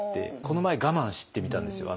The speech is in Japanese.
この前我慢してみたんですよ。